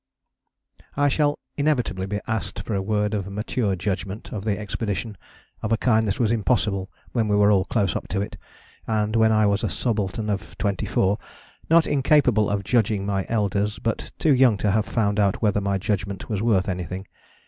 I shall inevitably be asked for a word of mature judgment of the expedition of a kind that was impossible when we were all close up to it, and when I was a subaltern of 24, not incapable of judging my elders, but too young to have found out whether my judgment was worth anything.